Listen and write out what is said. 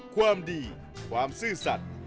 ความดีความซื่อสัตว์